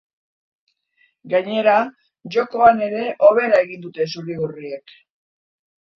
Gainera, jokoan ere hobera egin dute zuri-gorriek.